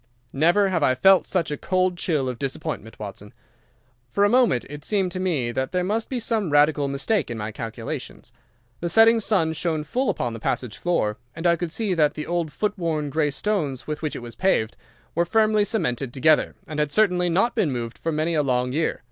"Never have I felt such a cold chill of disappointment, Watson. For a moment it seemed to me that there must be some radical mistake in my calculations. The setting sun shone full upon the passage floor, and I could see that the old, foot worn grey stones with which it was paved were firmly cemented together, and had certainly not been moved for many a long year.